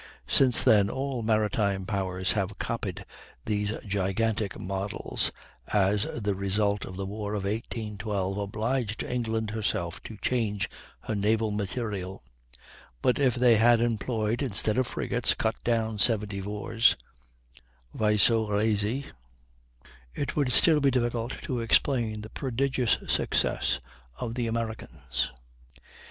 Since then all maritime powers have copied these gigantic models, as the result of the war of 1812 obliged England herself to change her naval material; but if they had employed, instead of frigates, cut down 74's (vaisseaux rasés), it would still be difficult to explain the prodigious success of the Americans.